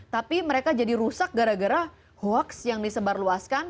tapi mereka jadi rusak gara gara hoax yang disebarluaskan